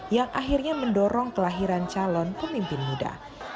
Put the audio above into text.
yang akhirnya mendorong kelahiran calon pemimpin muda